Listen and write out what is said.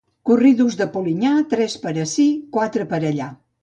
Corridos de Polinyà, tres per ací, quatre per allà.